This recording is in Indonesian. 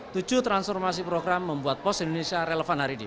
tujuh transformasi program membuat pos indonesia relevan hari ini